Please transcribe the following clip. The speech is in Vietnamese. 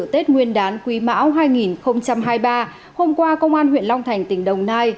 tết nguyên đán quý mão hai nghìn hai mươi ba hôm qua công an huyện long thành tỉnh đồng nai